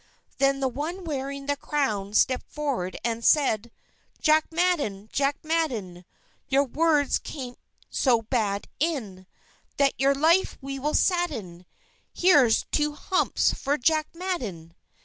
_" Then the one wearing the crown stepped forward, and said: "_Jack Madden! Jack Madden! Your words came so bad in, That your life we will sadden! Here's two humps for Jack Madden!